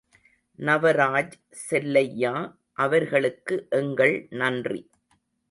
நவராஜ் செல்லையா அவர்களுக்கு எங்கள் நன்றி.